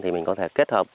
thì mình có thể kết hợp